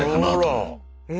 え？